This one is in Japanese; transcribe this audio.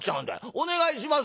お願いしますよ」。